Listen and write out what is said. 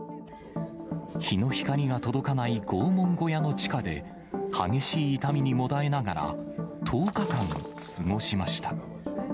日の光が届かない拷問部屋の地下で、激しい痛みにもだえながら、１０日間過ごしました。